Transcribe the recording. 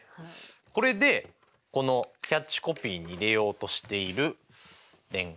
これでこのキャッチコピーに入れようとしているデン！